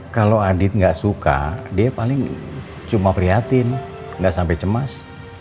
kalau adit gak suka dia paling cuma prihatin nggak sampai cemas